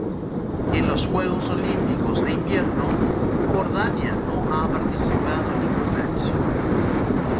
En los Juegos Olímpicos de Invierno Jordania no ha participado en ninguna edición.